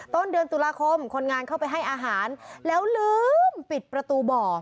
ต้นเดือนตุลาคมคนงานเข้าไปให้อาหารแล้วลืมปิดประตูบ่อ